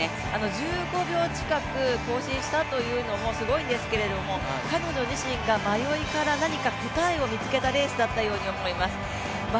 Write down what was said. １５秒近く更新したというのもすごいんですけれども彼女自身が迷いながら何か答えを見つけたレースだったと思います。